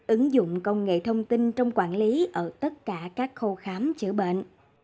ứng dụng công nghệ thông tin trong quản lý ở tất cả các khâu khám chữa bệnh